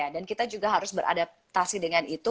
dan kita juga harus beradaptasi dengan itu